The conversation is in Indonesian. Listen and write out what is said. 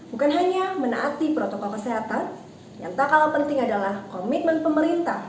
bukan hanya menaati protokol kesehatan yang tak kalah penting adalah komitmen pemerintah